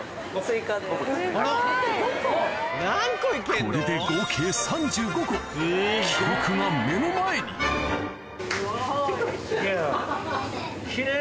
これで合計３５個記録が目の前に・すごい！